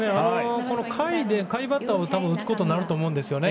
下位バッターを打つことになると思うんですよね。